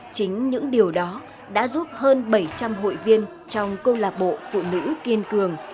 chính những điều đó đã giúp hơn bảy trăm linh hội viên trong câu lạc bộ phụ nữ kiên cường